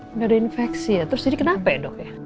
tidak ada infeksi ya terus ini kenapa dok